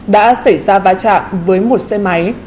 đã xảy ra va chạm với một xe máy